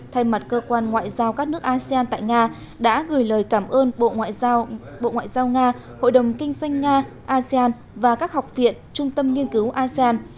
thay mặt cơ quan ngoại giao các nước asean tại nga đã gửi lời cảm ơn bộ ngoại giao nga hội đồng kinh doanh nga và các học viện trung tâm nghiên cứu asean